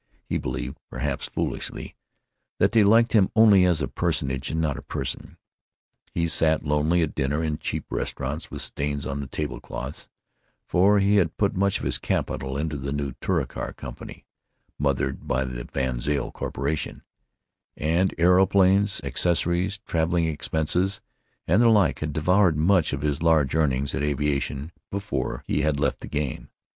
He believed, perhaps foolishly, that they liked him only as a personage, not as a person. He sat lonely at dinner, in cheap restaurants with stains on the table cloths, for he had put much of his capital into the new Touricar Company, mothered by the VanZile Corporation; and aeroplanes, accessories, traveling expenses, and the like had devoured much of his large earnings at aviation before he had left the game.